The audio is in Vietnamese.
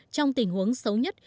trong tình huống xấu nhất